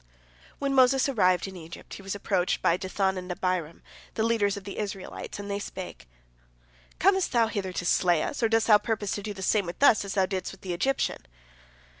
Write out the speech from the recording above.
When Moses arrived in Egypt, he was approached by Dathan and Abiram, the leaders of the Israelites, and they spake: "Comest thou hither to slay us, or dost thou purpose to do the same with us as thou didst with the Egyptian?"